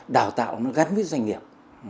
đào tạo nó gắn với doanh nghiệp